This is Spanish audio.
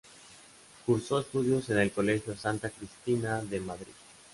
Cursó estudios en el colegio Santa Cristina de Madrid.